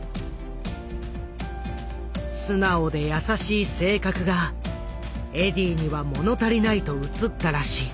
素直で優しい性格がエディーには物足りないと映ったらしい。